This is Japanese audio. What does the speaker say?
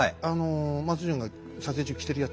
松潤が撮影中着てるやつ？